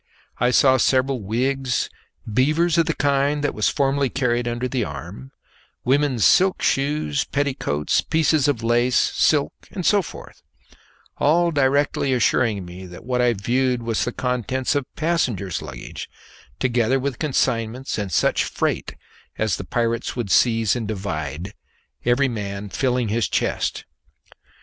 I saw several wigs, beavers of the kind that was formerly carried under the arm, women's silk shoes, petticoats, pieces of lace, silk, and so forth; all directly assuring me that what I viewed was the contents of passengers' luggage, together with consignments and such freight as the pirates would seize and divide, every man filling his chest.